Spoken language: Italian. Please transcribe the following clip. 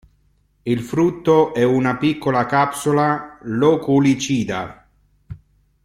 Il frutto è una piccola capsula loculicida.